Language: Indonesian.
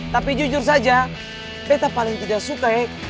tapi jujur saja pepe paling tidak suka ya